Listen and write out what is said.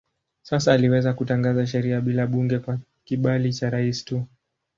Sasa aliweza kutangaza sheria bila bunge kwa kibali cha rais tu.